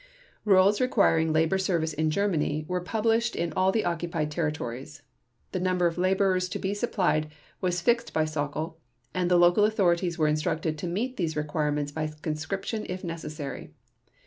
Rules requiring labor service in Germany were published in all the occupied territories. The number of laborers to be supplied was fixed by Sauckel, and the local authorities were instructed to meet these requirements by conscription if necessary.